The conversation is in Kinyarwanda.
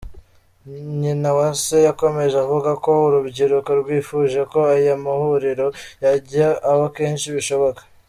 Nyinawase yakomeje avuga ko urubyiruko rwifuje ko aya mahuriro yajya aba kenshi bishoboka.